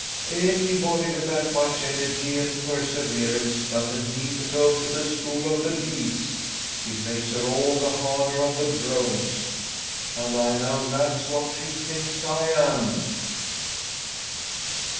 "Anybody with that much energy and perseverance doesn't need to go to the School of the Bees. It makes her all the harder on the drones. And I know that's what she thinks I am."